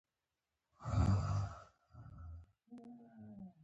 هر سړی دې پر خپل زړه لاس کېږي.